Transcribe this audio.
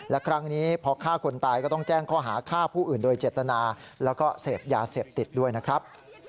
และครั้งนี้พอฆ่าคนตายก็ต้องแจ้งข้อหาฆ่าผู้อื่นโดยเจตนาแล้วก็เสพยาเสพติดด้วยนะครับ